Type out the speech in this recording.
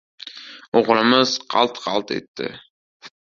O‘g‘limiz qalt-qalt etdi.